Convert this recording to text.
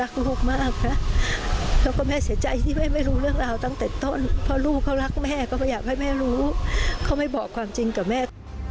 เขาไม่บอกความจริงกับแม่